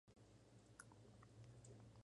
Tiene ascendencia tailandesa y china.